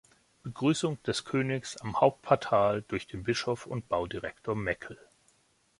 Begrüßung des Königs am Hauptportal durch den Bischof und Baudirektor Meckel.